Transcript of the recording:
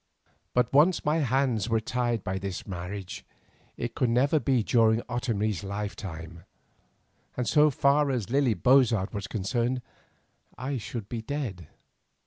But once my hands were tied by this marriage it could never be during Otomie's lifetime, and so far as Lily Bozard was concerned I should be dead.